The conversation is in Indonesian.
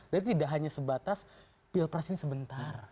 jadi tidak hanya sebatas pilpres ini sebentar